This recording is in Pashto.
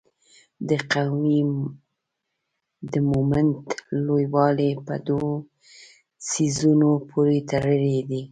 د قوې د مومنټ لویوالی په دوو څیزونو پورې تړلی دی.